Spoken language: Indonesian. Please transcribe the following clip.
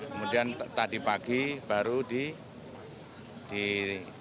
kemudian tadi pagi baru diketahui oleh